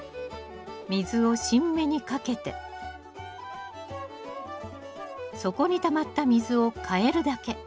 水を新芽にかけて底にたまった水を替えるだけ。